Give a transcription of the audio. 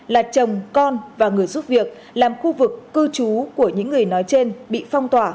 là chồng con và người giúp việc làm khu vực cư trú của những người nói trên bị phong tỏa